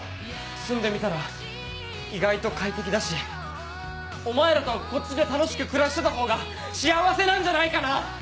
住んでみたら意外と快適だしお前らとこっちで楽しく暮らしてたほうが幸せなんじゃないかな。